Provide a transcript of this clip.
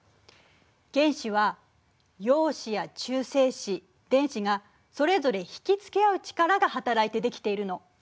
原子は陽子や中性子電子がそれぞれ引き付け合う力が働いて出来ているの。